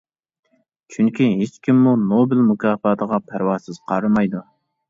چۈنكى، ھېچكىممۇ نوبېل مۇكاپاتىغا پەرۋاسىز قارىمايدۇ.